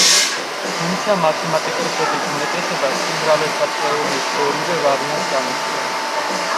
თუმცა მათემატიკოსების უმეტესობა სიმრავლეთა თეორიის ორივე ვარიანტს განიხილავს.